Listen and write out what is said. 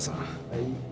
はい？